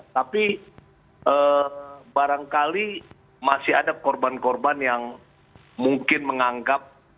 tapi barangkali masih ada korban korban yang mungkin menganggap